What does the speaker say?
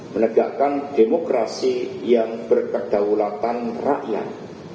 menegakkan demokrasi yang berkedaulatan rakyat